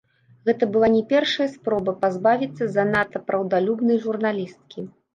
Гэта была не першая спроба пазбавіцца занадта праўдалюбнай журналісткі.